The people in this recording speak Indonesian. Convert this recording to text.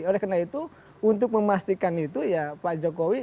oleh karena itu untuk memastikan itu ya pak jokowi